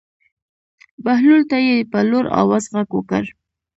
بهلول ته یې په لوړ آواز غږ وکړ.